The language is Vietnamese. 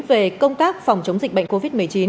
về công tác phòng chống dịch bệnh covid một mươi chín